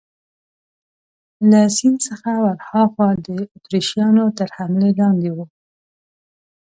له سیند څخه ورهاخوا د اتریشیانو تر حملې لاندې وو.